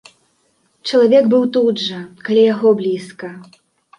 Чалавек быў тут жа, каля яго блізка.